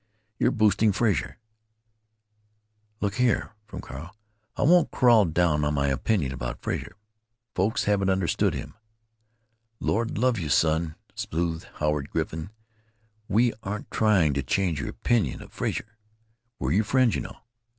Your boosting Frazer——" "Look here," from Carl, "I won't crawl down on my opinion about Frazer. Folks haven't understood him." "Lord love you, son," soothed Howard Griffin, "we aren't trying to change your opinion of Frazer. We're, your friends, you know.